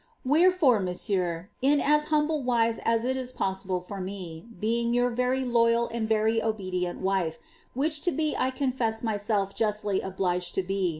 " Wherefore, monieigneur, in as hnmbia wise a* it is posiible for me {being your very loyal and very obedient wife, wbicb lo bo 1 confess myself justly obtigpd to be.